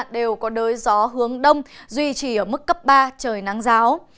đều có đới gió hướng đông duy trì ở mức cấp ba trời nắng giáo